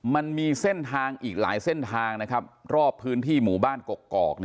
มันมีเส้นทางอีกหลายเส้นทางนะครับรอบพื้นที่หมู่บ้านกกอก